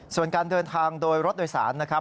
ส่วนการเดินทางโดยรถโดยสารนะครับ